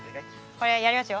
これやりますよ。